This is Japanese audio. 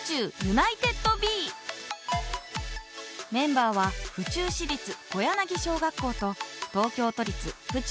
メンバーは府中市立小柳小学校と東京都立府中